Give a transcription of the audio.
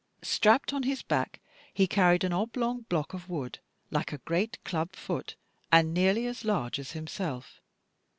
Strapped on his back he carried an oblong block of wood, like a great club foot, and nearly as large as himself.